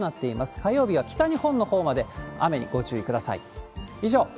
火曜日は北日本のほうまで雨にご注意ください。